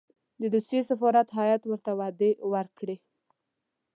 د روسیې سفارت هېئت ورته وعدې ورکړې.